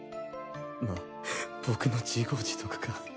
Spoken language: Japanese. まあ僕の自業自得か。